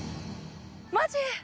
マジ？